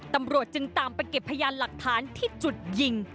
ตำรวจจึงตามไปเก็บพยานหลักฐานที่จุดยิง